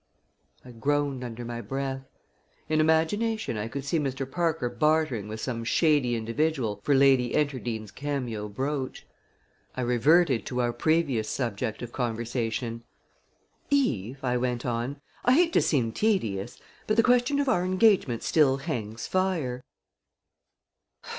I groaned under my breath. In imagination I could see Mr. Parker bartering with some shady individual for Lady Enterdean's cameo brooch! I reverted to our previous subject of conversation. "Eve," I went on, "I hate to seem tedious but the question of our engagement still hangs fire."